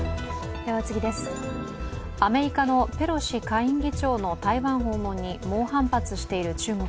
アメリカのペロシ下院議長の台湾訪問に猛反発している中国。